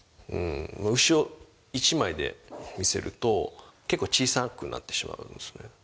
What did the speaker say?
牛を１枚で見せると結構小さくなってしまうんですね